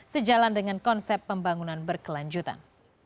sejalan dengan konsep pembangunan berkelanjutan